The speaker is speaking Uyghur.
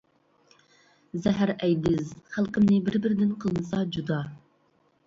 زەھەر ئەيدىز خەلقىمنى بىر بىرىدىن قىلمىسا جۇدا.